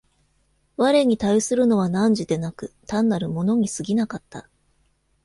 我に対するのは汝でなく、単なる物に過ぎなかった。